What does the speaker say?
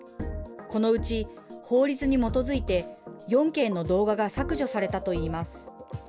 このうち法律に基づいて４件の動画が削除されたといいます。